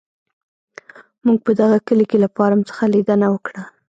موږ په دغه کلي کې له فارم څخه لیدنه وکړه.